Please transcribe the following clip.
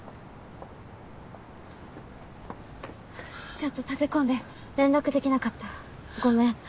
ちょっと立て込んで連絡できなかったごめん。